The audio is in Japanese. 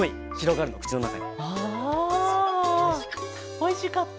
おいしかった。